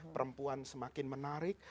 perempuan semakin menarik